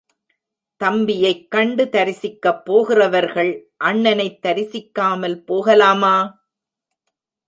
தம்பியைக் கண்டு தரிசிக்கப் போகிறவர்கள் அண்ணனைத் தரிசிக்காமல் போகலாமா?